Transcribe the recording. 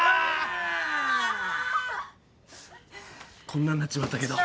こんなんなっちまったけど。